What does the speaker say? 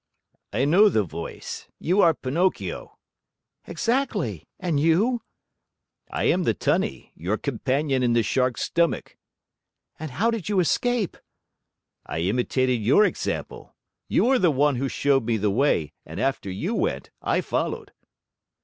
"I know the voice. You are Pinocchio." "Exactly. And you?" "I am the Tunny, your companion in the Shark's stomach." "And how did you escape?" "I imitated your example. You are the one who showed me the way and after you went, I followed."